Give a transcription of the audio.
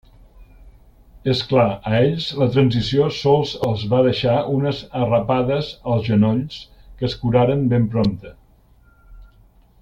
És clar, a ells la Transició sols els va deixar unes arrapades als genolls que es curaren ben prompte.